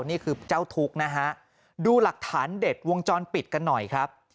นี่คือเจ้าทุกข์นะฮะดูหลักฐานเด็ดวงจรปิดกันหน่อยครับ